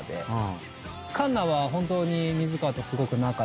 カンナは本当に水川とすごく仲良く。